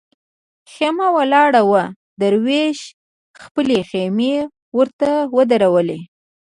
خېمه ولاړه وه دروېش خپلې خېمې ورته ودرولې.